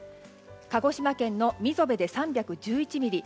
鹿児島県の溝辺で３１１ミリ